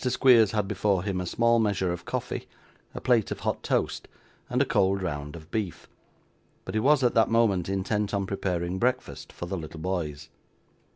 Squeers had before him a small measure of coffee, a plate of hot toast, and a cold round of beef; but he was at that moment intent on preparing breakfast for the little boys.